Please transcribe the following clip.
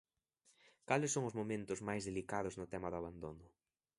Cales son os momentos máis delicados no tema do abandono?